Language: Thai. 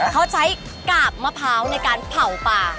เขาใช้กาบมะพร้าวในการเผาป่า